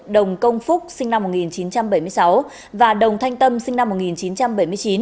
đồng công phúc sinh năm một nghìn chín trăm bảy mươi sáu và đồng thanh tâm sinh năm một nghìn chín trăm bảy mươi chín